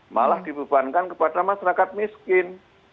malah dibebankan kepada masyarakat miskin